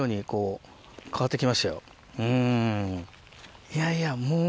うんいやいやもう。